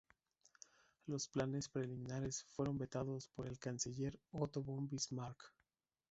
Los planes preliminares fueron vetados por el canciller Otto von Bismarck.